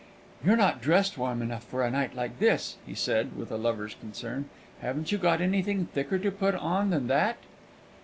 "You're not dressed warm enough for a night like this," he said, with a lover's concern. "Haven't you got anything thicker to put on than that?"